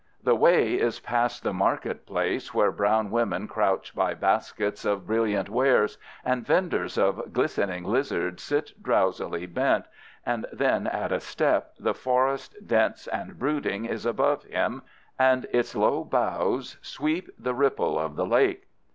The way is past the market place where brown women crouch by baskets of brilliant wares and venders of glistening lizards sit drowsily bent, and then at a step the forest dense and brooding is above him and its low boughs sweep the ripple of the lake.